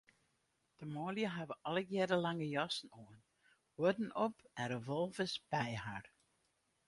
De manlju hawwe allegearre lange jassen oan, huodden op en revolvers by har.